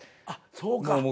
あっそうか。